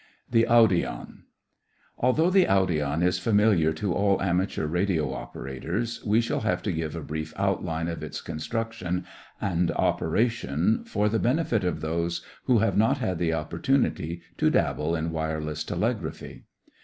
THE AUDION Although the audion is familiar to all amateur radio operators, we shall have to give a brief outline of its construction and operation for the benefit of those who have not had the opportunity to dabble in wireless telegraphy.